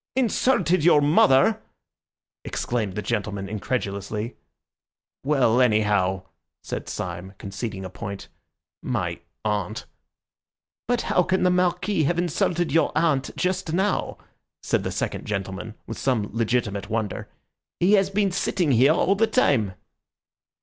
"Insulted your mother!" exclaimed the gentleman incredulously. "Well, anyhow," said Syme, conceding a point, "my aunt." "But how can the Marquis have insulted your aunt just now?" said the second gentleman with some legitimate wonder. "He has been sitting here all the time."